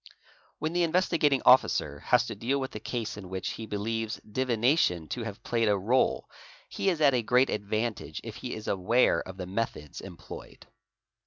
When the Investigating Officer has to deal with a case in which he believes divination to have played a réle he is at a great advantage if he is aware of the methods employed.